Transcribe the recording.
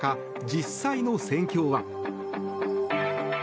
実際の戦況は。